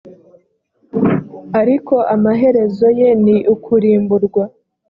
ariko amaherezo ye ni ukurimburwa.